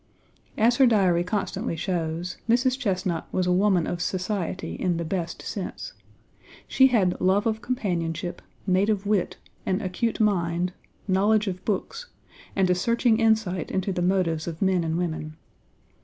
As her Diary constantly shows, Mrs. Chesnut was a woman of society in the best sense. She had love of companionship, native wit, an acute mind, knowledge of books, and a searching insight into the motives of men and women.